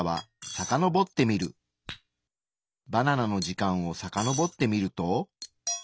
バナナの時間をさかのぼってみると。